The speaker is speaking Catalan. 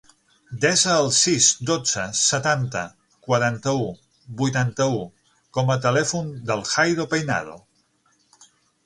Desa el sis, dotze, setanta, quaranta-u, vuitanta-u com a telèfon del Jairo Peinado.